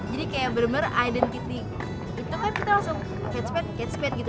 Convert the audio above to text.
jadi kayak bener bener identitas itu kan kita langsung catchpad catchpad gitu